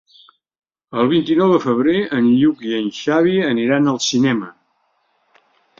El vint-i-nou de febrer en Lluc i en Xavi aniran al cinema.